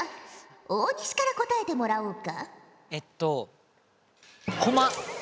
大西から答えてもらおうか。